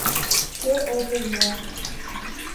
— Кӧ огыл, мо.